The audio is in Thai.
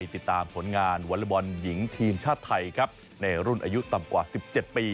ติดตามผลงานวอเล็กบอลหญิงทีมชาติไทยครับในรุ่นอายุต่ำกว่า๑๗ปี